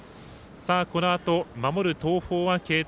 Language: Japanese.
このあと、守る東邦は継投。